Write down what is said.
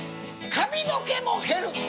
髪の毛も減る。